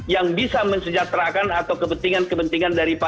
yang bisa mensejahterakan atau kepentingan kepentingan daripada